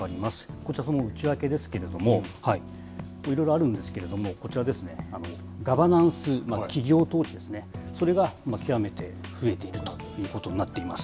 こちらその内訳ですけれども、いろいろあるんですけれども、こちらですね、ガバナンス・企業統治ですね、それが極めて増えているということになっています。